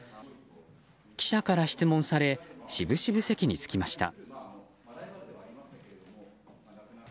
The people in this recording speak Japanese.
記者から質問されしぶしぶ席に着きました。